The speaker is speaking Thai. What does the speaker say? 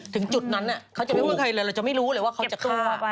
ถึงจุดนั้นเขาจะไม่พูดใครเลยเราจะไม่รู้เลยว่าเขาจะเข้ามา